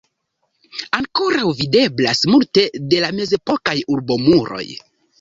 Ankoraŭ videblas multe de la mezepokaj urbomuroj.